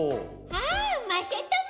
ああまさとも！